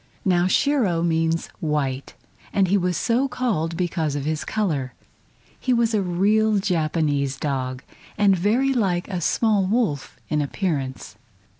Now Shiro means "white," and he was so called because of his color. He was a real Japanese dog, and very like a small wolf in appearance.